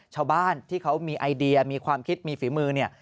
ชาวบ้านที่เขามีไอเดียมีความคิดมีฝีมือเนี่ย